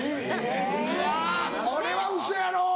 いやこれはウソやろう。